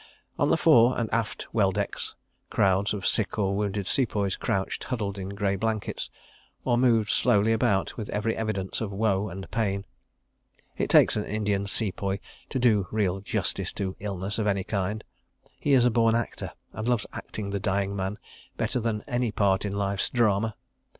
On the fore and aft well decks, crowds of sick or wounded Sepoys crouched huddled in grey blankets, or moved slowly about with every evidence of woe and pain. It takes an Indian Sepoy to do real justice to illness of any kind. He is a born actor and loves acting the dying man better than any part in life's drama.